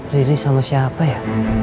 riri sama siapa ya